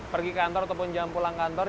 pergi kantor ataupun jam pulang kantor